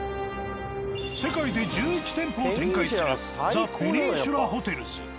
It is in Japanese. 世界で１１店舗を展開するザ・ペニンシュラホテルズ。